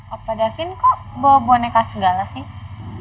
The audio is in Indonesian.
apa davin kok bawa boneka segala sih